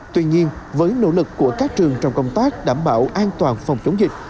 tuy nhiên với nỗ lực của các trường trong công tác đảm bảo an toàn phòng chống dịch